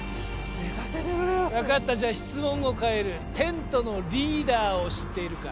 寝かせてくれよ分かったじゃ質問を変えるテントのリーダーを知っているか？